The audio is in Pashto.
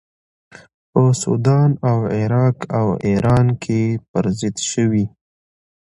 په سودان او عراق او ایران کې پر ضد شوې.